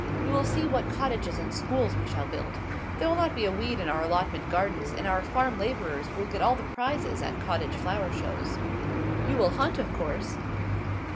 You will see what cottages and schools we shall build. There will not be a weed in our allotment gardens, and our farm labourers will get all the prizes at cottage flower shows." "You will hunt, of course?"